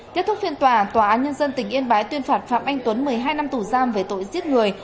kết thúc phiên tòa tòa án nhân dân tỉnh yên bái tuyên phạt phạm anh tuấn một mươi hai năm tù giam về tội giết người